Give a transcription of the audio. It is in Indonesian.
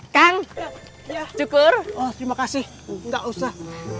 kang cukur oh terima kasih enggak usah